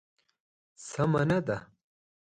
سمه نه ده.